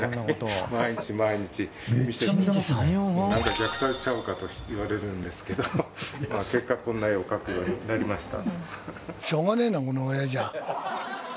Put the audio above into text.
虐待ちゃうかと言われるんですけど結果こんな絵を描くようになりました。